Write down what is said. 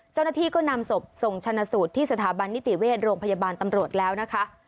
เจ้าหน้าที่ก็นำศพส่งชนะสูตรที่สถาบันนิติเวชโรงพยาบาลตำรวจแล้วนะคะ